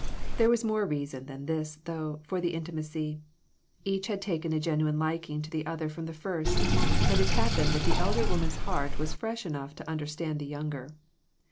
There was more reason than this, though, for the inti macy. Each had taken a genuine liking to the other from the first, and it happened that the elder woman's heart was fresh enough to under stand the younger.